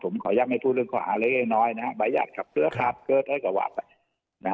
ผมขออนุญาตให้พูดเรื่องขวาเลน้อยนะฮะบริหารขับเครือขาบเกิดให้กระหวัด